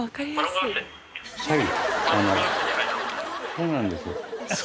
そうなんです。